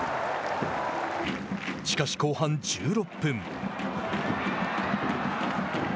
しかし後半１６分。